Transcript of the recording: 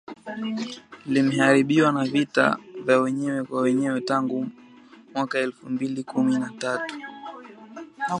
limeharibiwa na vita vya wenyewe kwa wenyewe tangu mwaka elfu mbili kumi na tatu